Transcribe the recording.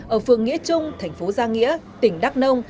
ở phường nghĩa trung tp gia nghĩa tỉnh đắk nông